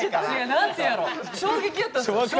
何ていうんやろ衝撃やったんです衝撃。